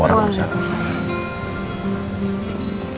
assalamualaikum warahmatullahi wabarakatuh